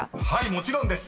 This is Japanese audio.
［もちろんです。